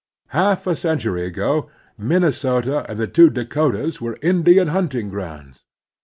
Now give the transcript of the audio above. Half a century ago Minne sota and the two Dakotas were Indian himting grounds.